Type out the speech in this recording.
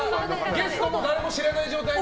ゲストも誰も知らない状態で。